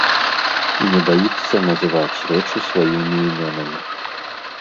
І не баіцца называць рэчы сваімі імёнамі.